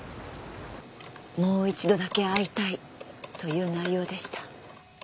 もう一度だけ会いたいという内容でした。